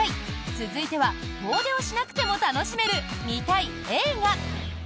続いては遠出をしなくても楽しめる見たい映画！